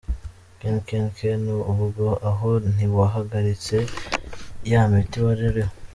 “Ken, Ken, Ken… ubwo aho ntiwahagaritse ya imiti wari uriho ?